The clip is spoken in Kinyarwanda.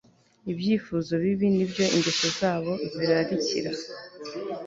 ibyifuzo bibi nibyo ingeso zabo zirarikira